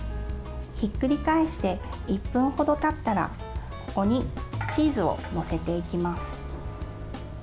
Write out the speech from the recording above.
ひっくり返して１分程たったらここにチーズを載せていきます。